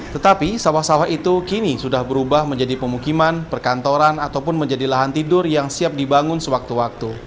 tetapi sawah sawah itu kini sudah berubah menjadi pemukiman perkantoran ataupun menjadi lahan tidur yang siap dibangun sewaktu waktu